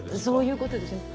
そういうことです。